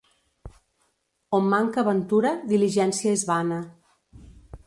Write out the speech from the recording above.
On manca ventura, diligència és vana.